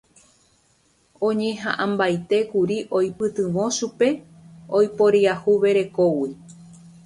Oñeha'ãmbaitékuri oipytyvõ chupe oiporiahuverekógui